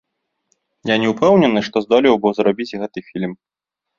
Я не ўпэўнены, што здолеў бы зрабіць гэты фільм.